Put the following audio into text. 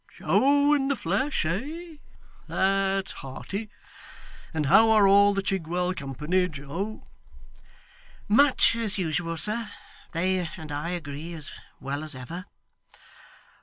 Joe in the flesh, eh? That's hearty. And how are all the Chigwell company, Joe?' 'Much as usual, sir they and I agree as well as ever.